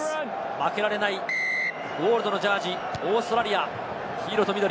負けられないゴールドのジャージー、オーストラリア、金色と緑。